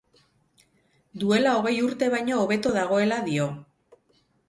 Duela hogei urte baino hobeto dagoela dio.